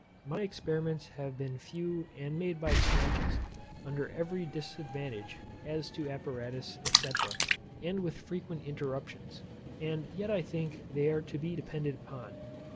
My experiments have been few and made by snatches, under every disadvantage as to apparatus, &c. and with frequent interruptions; and yet I think they are to be depended upon.